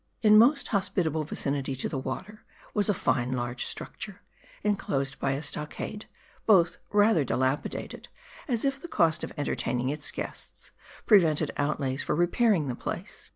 In most hospitable vicinity to the water, was a fine large structure, inclosed by a stockade ; both rather dilapidated ; as if the cost of entertaining its guests, prevented outlays for repairing the place.